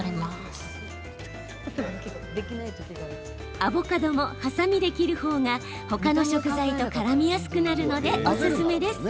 アボカドも、ハサミで切るほうがほかの食材とからみやすくなるのでおすすめです。